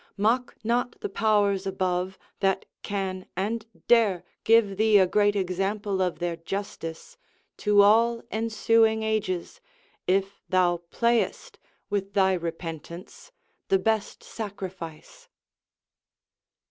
Mock not the powers above, that can and dare Give thee a great example of their justice To all ensuing ages, if thou playest With thy repentance, the best sacrifice.